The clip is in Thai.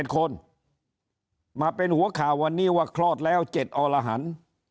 คนมาเป็นหัวข่าววันนี้ว่าคลอดแล้ว๗อรหัน